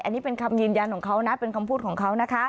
อันนี้เป็นคำยืนยันของเขานะเป็นคำพูดของเขานะคะ